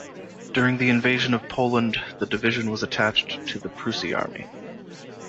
During the Invasion of Poland, the division was attached to the Prusy Army.